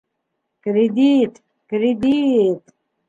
Кредит, кредит.